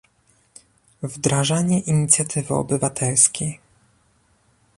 Wdrażanie inicjatywy obywatelskiej